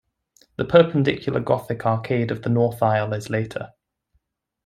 The Perpendicular Gothic arcade of the north aisle is later.